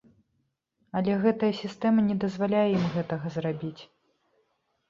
Але гэтая сістэма не дазваляе ім гэтага зрабіць.